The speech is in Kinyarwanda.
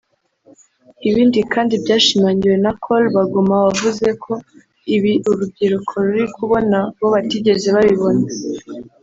Ibi kandi byashimangiwe na Col Baguma wavuze ko ibi urubyiruko ruri kubona bo batigeze babibona